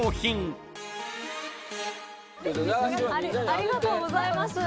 ありがとうございます。